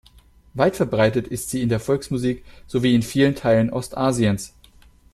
Weit verbreitet ist sie in der Volksmusik sowie in vielen Teilen Ostasiens.